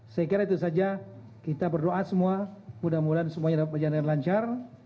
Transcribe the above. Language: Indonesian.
saya kira itu saja kita berdoa semua mudah mudahan semuanya dapat berjalan dengan lancar